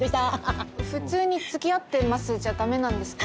普通につきあってますじゃダメなんですか？